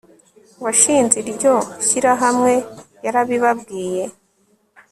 washinze iryo shyirahamwe yarabibabwiye